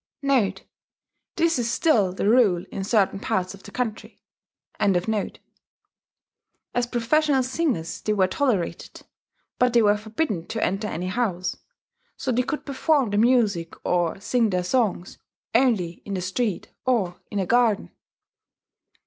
* [*This is still the rule in certain parts of the country.] As professional singers they were tolerated; but they were forbidden to enter any house so they could perform their music or sing their songs only in the street, or in a garden.